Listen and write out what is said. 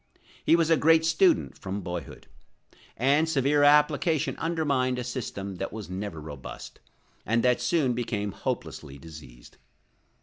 He was a great student from boyhood; and severe application undermined a system that was never robust, and that soon became hopelessly diseased.